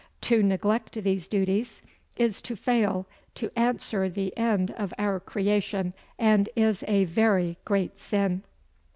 To neglect these duties, is to fail to answer the end of our creation, and is a a very great sin.